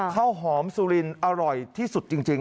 ข้าวหอมซูลินอร่อยที่สุดจริงครับ